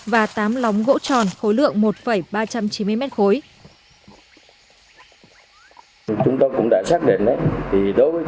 và tám lóng gỗ tròn khối lượng một ba trăm chín mươi mét khối